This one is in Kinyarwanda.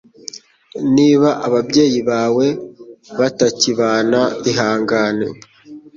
niba ababyeyi bawe batakibana ihangane